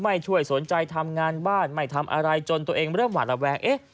ไม่ช่วยสนใจทำงานบ้านไม่ทำอะไรจนตัวเองเริ่มหวาดระแวง